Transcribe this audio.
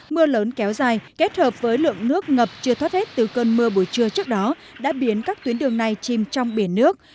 mưa lớn kéo dài kết hợp với lượng nước ngập chưa thoát hết từ cơn mưa buổi trưa trước đó đã biến các tuyến đường này chìm trong biển nước